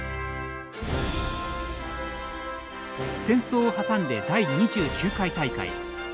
戦争を挟んで、第２９回大会。